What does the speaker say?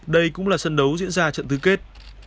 đây cũng là sân đấu diễn ra trận tứ kết